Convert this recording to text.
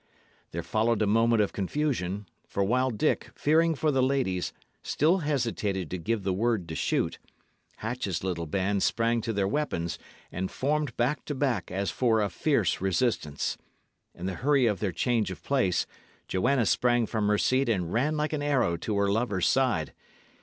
Then followed a moment of confusion; for while Dick, fearing for the ladies, still hesitated to give the word to shoot, Hatch's little band sprang to their weapons and formed back to back as for a fierce resistance. In the hurry of their change of place, Joanna sprang from her seat and ran like an arrow to her lover's side.